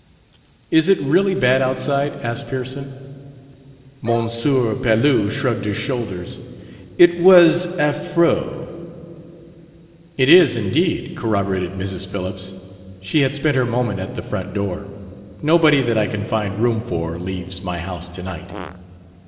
"Is it really bad outside?" asked Pearson. M. Pelouse shrugged his shoulders. It was affreux. "It is indeed," corroborated Mrs. Phillips: she had spent her moment at the front door. "Nobody that I can find room for leaves my house tonight."